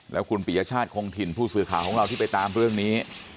แล้วคุณปียชาติคงถิ่นผู้สื่อข่าวของเราที่ไปตามเรื่องนี้